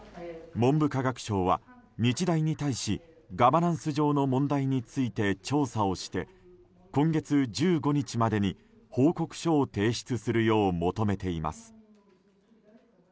文部科学省は日大に対しガバナンス上の問題について調査をして今月１５日までに報告書を提出するよう求めています。